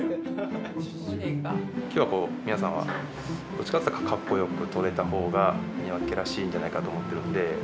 今日は皆さんどっちかっていったらかっこよく撮れた方が宮脇家らしいんじゃないかと思ってるんで。